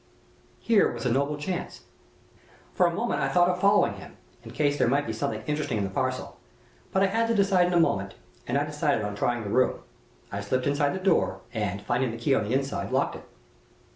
"Here was a noble chance. For a moment I thought of following him, in case there might be something interesting in the parcel. But I had to decide in a moment, and I decided on trying the room. I slipped inside the door, and, finding the key on the inside, locked it.